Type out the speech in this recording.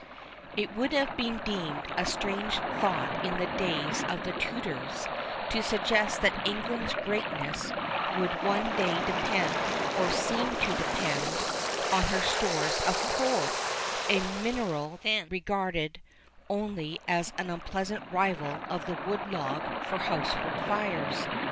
_ It would have been deemed a strange thought in the days of the Tudors to suggest that England's greatness would one day depend,—or seem to depend,—on her stores of coal, a mineral then regarded as only an unpleasant rival of the wood log for household fires.